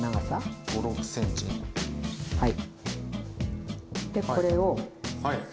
はい。